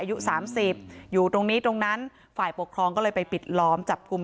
อายุสามสิบอยู่ตรงนี้ตรงนั้นฝ่ายปกครองก็เลยไปปิดล้อมจับกลุ่ม